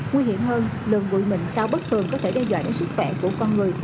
nguy hiểm hơn lần bụi mịn cao bất thường có thể đe dọa đến sức khỏe của con người